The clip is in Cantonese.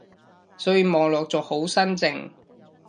所以望落仲好新淨